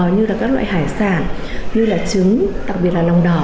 như là các loại hải sản như là trứng đặc biệt là lòng đỏ